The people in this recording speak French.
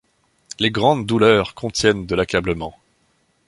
Les grandes douleurs contiennent de l’accablement.